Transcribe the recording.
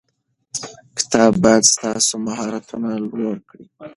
کتاب باید ستاسو مهارتونه لوړ کړي.